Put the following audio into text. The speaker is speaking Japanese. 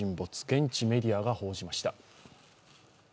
現地メディアが報じました。